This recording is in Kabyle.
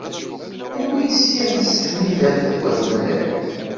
Anwa i yeslan s teḥmidat deg At Mlal!